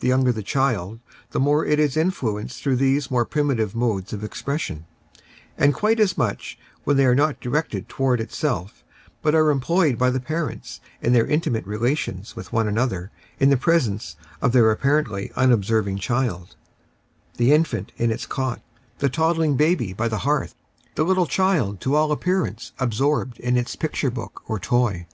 The younger the child, the more is it influenced through these more primitive modes of expression, and quite as much when they are not directed towards itself but are employed by the parents in their intimate relations , with one another in the presence of their apparently unob serving child— the infant in its cot, the toddling baby by the Preface IX hearth, the little child to all appearance absorbed in its picture book or toy.